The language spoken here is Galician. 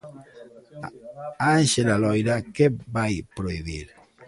Ánxela Loira, que vai prohibir?